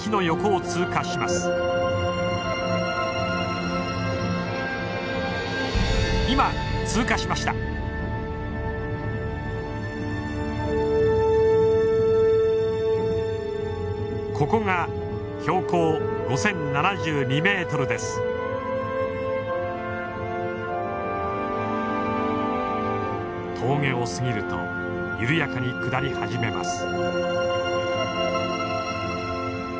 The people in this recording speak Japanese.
峠を過ぎると緩やかに下り始めます。